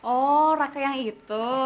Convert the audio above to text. oh raka yang itu